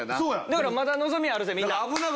だからまだ望みはあるぜみんな。